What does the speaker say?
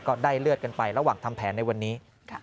ก็ได้เลือดกันไประหว่างทำแผนในวันนี้